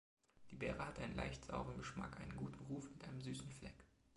Die Beere hat einen leicht sauren Geschmack, einen guten Ruf, mit einem süßen Fleck.